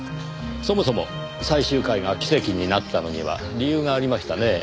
そもそも最終回が奇跡になったのには理由がありましたねぇ。